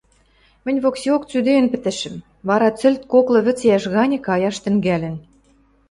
Мӹнь воксеок цӱдеен пӹтӹшӹм: вара цӹлт коклы вӹц иӓш гань каяш тӹнгӓлӹн.